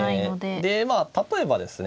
でまあ例えばですね